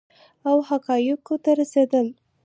او حقایقو ته رسیدل